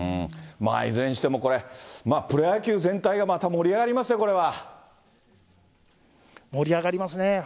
いずれにしてもこれ、プロ野球全体がまた盛り上がりますね、盛り上がりますね。